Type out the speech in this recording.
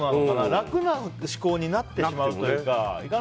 楽な思考になってしまうというか。